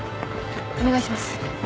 お願いします。